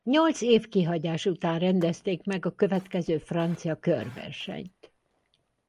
Nyolc év kihagyás után rendezték meg a következő francia körversenyt.